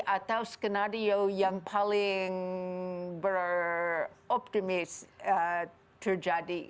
atau skenario yang paling beroptimis terjadi